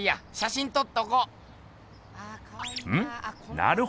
なるほど。